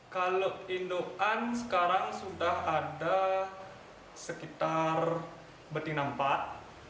kalau induan sekarang sudah ada sekitar beti nampak